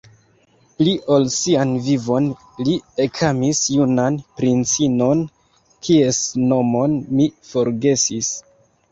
Pli ol sian vivon li ekamis junan princinon, kies nomon mi forgesis.